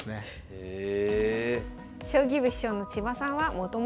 へえ。